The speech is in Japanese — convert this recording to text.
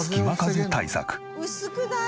薄くない？